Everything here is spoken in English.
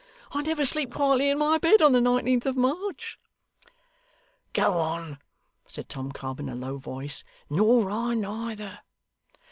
I never sleep quietly in my bed on the nineteenth of March.' 'Go on,' said Tom Cobb, in a low voice. 'Nor I neither.